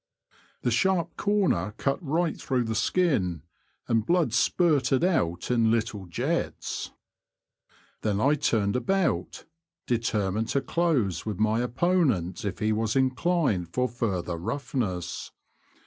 The sharp corner cut right through the skin, L 2 154 ^^^ Confessions of a T^oacher. and blood spurted out in little jets. Then I turned about, determined to close with my opponent if he was inclined for further rough ness.